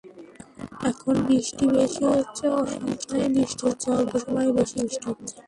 এখন বৃষ্টি বেশি হচ্ছে, অসময়ে বৃষ্টি হচ্ছে, অল্প সময়ে বেশি বৃষ্টি হচ্ছে।